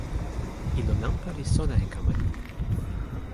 ilo nanpa li sona e kama ni.